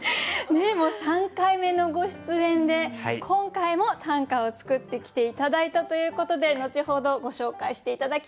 もう３回目のご出演で今回も短歌を作ってきて頂いたということで後ほどご紹介して頂きたいと思います。